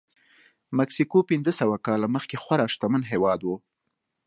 مکسیکو پنځه سوه کاله مخکې خورا شتمن هېواد و.